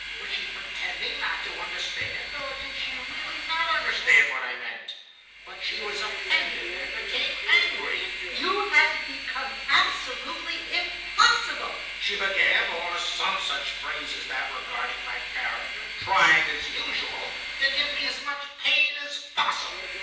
Was she pretending not to understand, or did she really not understand what I meant? But she was offended and became angry. "'You have become absolutely impossible,' she began, or some such phrase as that regarding my character, trying, as usual, to give me as much pain as possible.